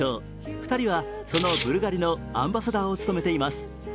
２人はそのブルガリのアンバサダーを務めています。